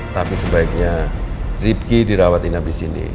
tapi sebaiknya ripki dirawatin abis ini